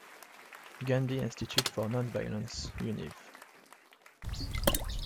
Gandhi Institute for Nonviolence, Univ.